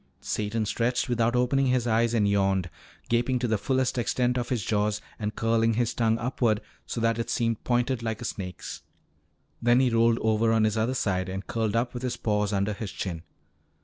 Satan stretched without opening his eyes and yawned, gaping to the fullest extent of his jaws and curling his tongue upward so that it seemed pointed like a snake's. Then he rolled over on his other side and curled up with his paws under his chin.